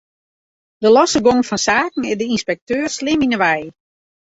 De losse gong fan saken is de ynspekteur slim yn 'e wei.